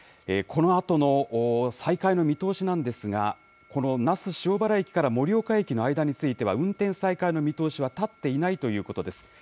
このあとの再開の見通しなんですが、この那須塩原駅から盛岡駅の間については運転再開の見通しは立っていないということです。